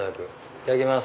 いただきます。